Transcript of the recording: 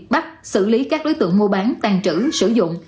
bắt xử lý các đối tượng mua bán tàn trữ sử dụng